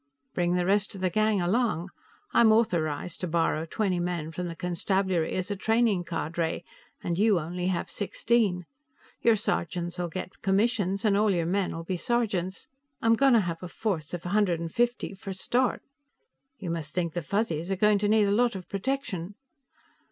"Bring the rest of the gang along. I'm authorized to borrow twenty men from the constabulary as a training cadre, and you only have sixteen. Your sergeants'll get commissions, and all your men will be sergeants. I'm going to have a force of a hundred and fifty for a start." "You must think the Fuzzies are going to need a lot of protection."